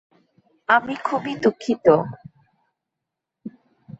আমি খুবই দুঃখিত।